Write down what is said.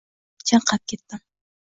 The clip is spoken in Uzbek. Chanqab ketdim.